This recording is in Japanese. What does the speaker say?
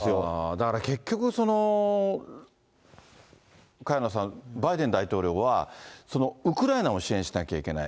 だから結局、萱野さん、バイデン大統領は、ウクライナを支援しなきゃいけない。